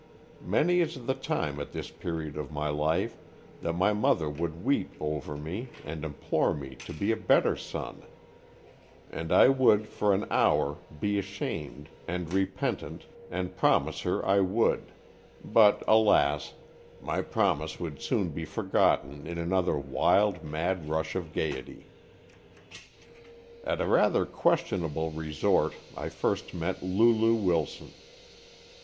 Many is the time at this period of my life, that my mother would weep over me and implore me to be a better son, and I would for an hour be ashamed and repentant and 23 Stories from the Adirondack^. promise her I would; but, alas! my promise would soon be forgotten in an other wild, mad rush of gayety. "At a rather questionable resort I first met Lulu Wilson.